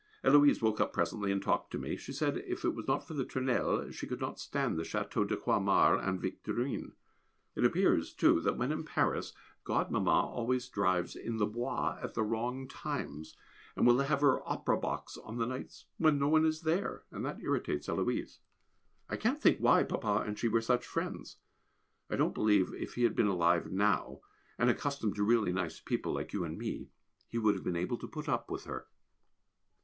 Héloise woke up presently and talked to me; she said if it was not for the Tournelles she could not stand the Château de Croixmare and Victorine. It appears too, that when in Paris, Godmamma always drives in the Bois at the wrong times, and will have her opera box on the nights no one is there, and that irritates Héloise. I can't think why papa and she were such friends. I don't believe if he had been alive now, and accustomed to really nice people like you and me, he would have been able to put up with her.